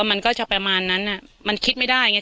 มันก็จะประมาณนั้นอ่ะมันคิดไม่ได้ไง